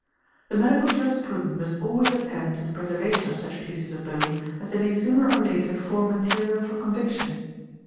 The medical jurisprudent must always attend to the preser 0 a ee re vation of such pieces of bone as they may sooner or later form material for conviction.